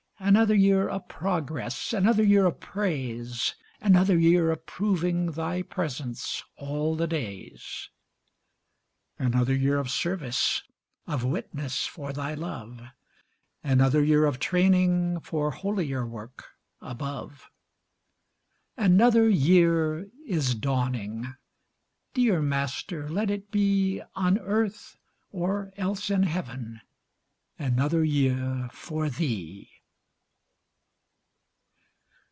Another year of progress, Another year of praise; Another year of proving Thy presence 'all the days.' Another year of service, Of witness for Thy love; Another year of training For holier work above. Another year is dawning! Dear Master, let it be On earth, or else in heaven, Another year for Thee!